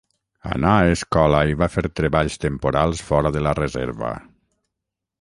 Anà a escola i va fer treballs temporals fora de la reserva.